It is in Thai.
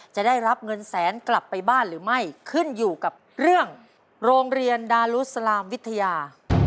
จะได้รับเงินแสนกลับไปบ้านหรือไม่ขึ้นอยู่กับเรื่องโรงเรียนดารุสลามวิทยา